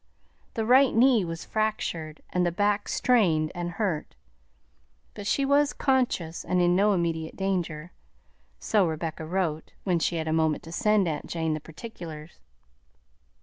The right knee was fractured and the back strained and hurt, but she was conscious and in no immediate danger, so Rebecca wrote, when she had a moment to send aunt Jane the particulars.